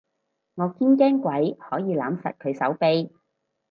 我堅驚鬼可以攬實佢手臂